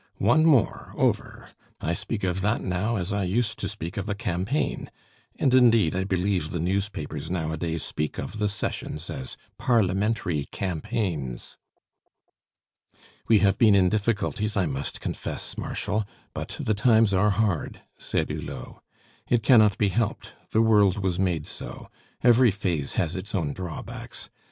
One more over! I speak of that now as I used to speak of a campaign. And indeed I believe the newspapers nowadays speak of the sessions as parliamentary campaigns." "We have been in difficulties, I must confess, Marshal; but the times are hard!" said Hulot. "It cannot be helped; the world was made so. Every phase has its own drawbacks.